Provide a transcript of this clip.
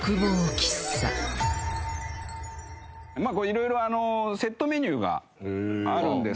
色々セットメニューがあるんですけども。